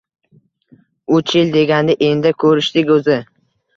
Uch yil deganda endi ko`rishdik o`zi